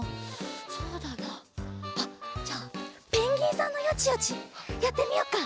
そうだなあっじゃあペンギンさんのヨチヨチやってみよっか。